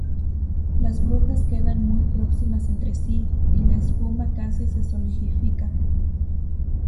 Las burbujas quedan muy próximas entre sí y la espuma casi se solidifica.